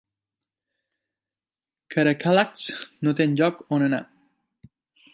Karakalaks no té enlloc on anar